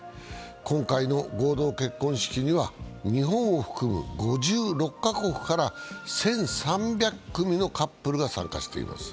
今回の合同結婚式には日本を含む５６か国から１３００組のカップルが参加しています。